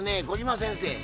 小島先生